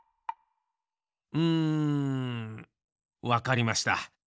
うんわかりました。